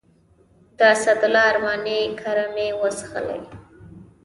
د اسدالله ارماني کره مې وڅښلې.